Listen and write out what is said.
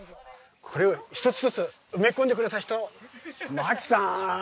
これを一つ一つ埋め込んでくれた人牧さん。